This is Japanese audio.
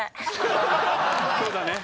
そうだね。